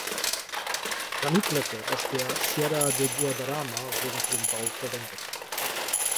Granitblöcke aus der Sierra de Guadarrama wurden für den Bau verwendet.